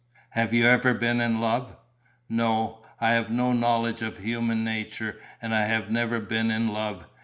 "Have you ever been in love?" "No. I have no knowledge of human nature and I have never been in love.